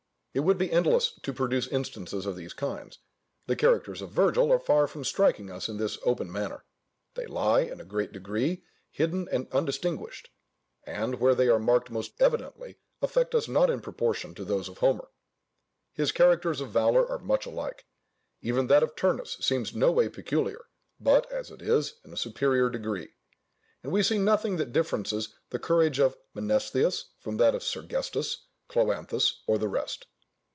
It would be endless to produce instances of these kinds. The characters of Virgil are far from striking us in this open manner; they lie, in a great degree, hidden and undistinguished; and, where they are marked most evidently affect us not in proportion to those of Homer. His characters of valour are much alike; even that of Turnus seems no way peculiar, but, as it is, in a superior degree; and we see nothing that differences the courage of Mnestheus from that of Sergestus, Cloanthus, or the rest.